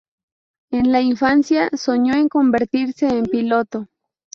En la infancia soñó en convertirse en piloto.